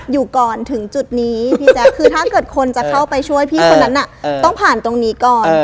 อยู่ก่อนถึงจุดนี้พี่แจ๊คคือถ้าเกิดคนจะเข้าไปช่วยพี่คนนั้นน่ะต้องผ่านตรงนี้ก่อน